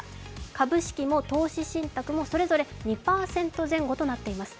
株式も投資信託もそれぞれ２％前後となっています。